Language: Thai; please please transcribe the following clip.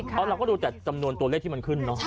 เพราะเราก็ดูแต่จำนวนตัวเลขที่มันขึ้นเนอะ